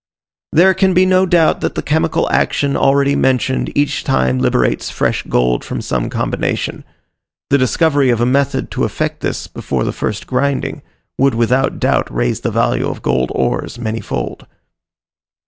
There can be no doubt that the chemical action, already mentioned, each time liberates fresh gold from some combination. The discovery of a method to effect this before the first grinding would without doubt raise the value of gold ores many fold.